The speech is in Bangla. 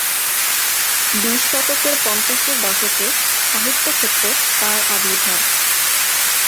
বিশ শতকের পঞ্চাশের দশকে সাহিত্যক্ষেত্রে তাঁর আবির্ভাব।